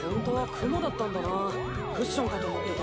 クッションかと思ってた。